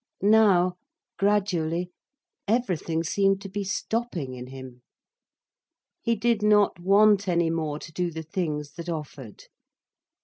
Now, gradually, everything seemed to be stopping in him. He did not want any more to do the things that offered.